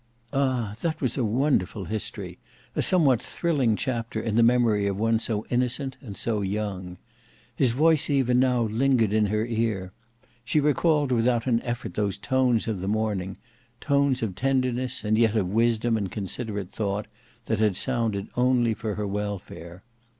Ah! that was a wonderful history; a somewhat thrilling chapter in the memory of one so innocent and so young! His voice even now lingered in her ear. She recalled without an effort those tones of the morning, tones of tenderness and yet of wisdom and considerate thought, that had sounded only for her welfare.